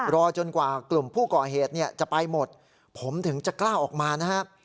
รอจนกว่ากลุ่มผู้ก่อเหตุจะไปหมดผมถึงจะกล้าออกมานะครับ